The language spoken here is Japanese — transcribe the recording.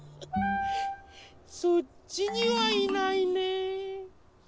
そっちにはいないね。